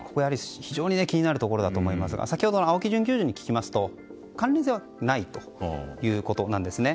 非常に気になるところだと思いますが先ほどの青木准教授に聞きますと関連性はないということなんですね。